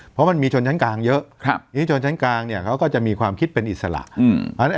เพราะมันมีชนชั้นกลางเยอะทีนี้ชนชั้นกลางเนี่ยเขาก็จะมีความคิดเป็นอิสระ